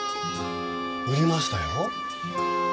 売りましたよ。